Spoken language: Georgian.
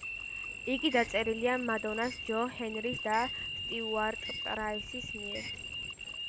იგი დაწერილია მადონას, ჯო ჰენრის და სტიუარტ პრაისის მიერ.